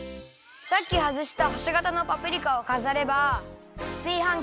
さっきはずしたほしがたのパプリカをかざればすいはん